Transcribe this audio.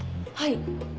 はい。